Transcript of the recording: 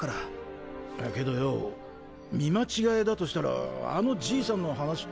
けどよ見間違えだとしたらあのジイさんの話って。